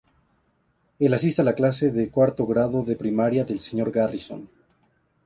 Él asiste a la clase de cuarto grado de primaria del Sr. Garrison.